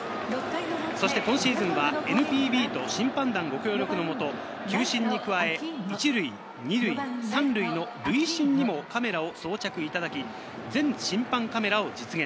今シーズンはＮＰＢと審判団ご協力のもと、球審に加え、１塁、２塁、３塁の塁審にもカメラを装着いただき、全審判カメラを実現。